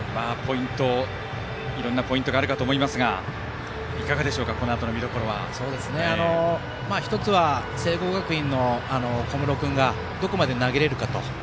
いろいろなポイントがあるかと思いますがいかがでしょうか１つは、聖光学院の小室君がどこまで投げられるか。